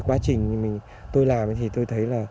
quá trình tôi làm thì tôi thấy là